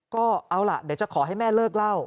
ก็เอาล่ะเดี๋ยวจะขอให้แม่เลิกเล่า